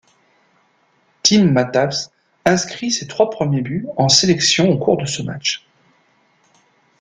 Tim Matavž inscrit ses trois premiers buts en sélection au cours de ce match.